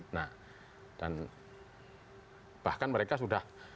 nah dan bahkan mereka sudah